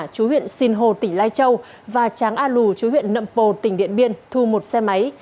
chú huyện sinh hồ tỉnh lai châu và tráng a lù chú huyện nậm pồ tỉnh điện biên thu một xe máy